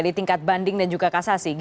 di tingkat banding dan juga kasasi